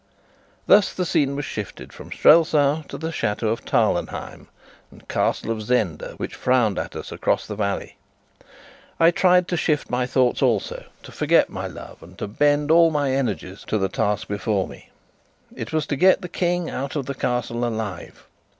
Thus the scene was shifted from Strelsau to the chateau of Tarlenheim and Castle of Zenda, which frowned at us across the valley. I tried to shift my thoughts also, to forget my love, and to bend all my energies to the task before me. It was to get the King out of the Castle alive.